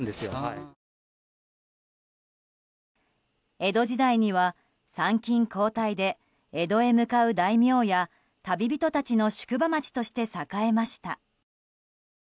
江戸時代には参勤交代で江戸へ向かう大名や旅人たちの宿場町として栄えました。